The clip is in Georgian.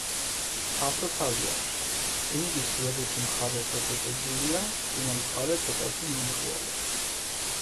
ფართო თავი აქვს, დინგის გვერდითი მხარე წაწვეტებულია, წინა მხარე ცოტათი მომრგვალო.